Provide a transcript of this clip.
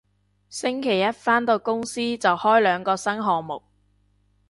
星期一返到公司就開兩個新項目